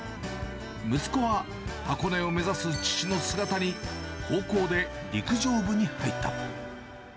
息子は箱根を目指す父の姿に、高校で陸上部に入った。